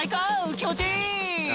気持ちいい！」